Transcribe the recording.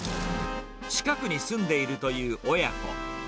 近くに住んでいるという親子。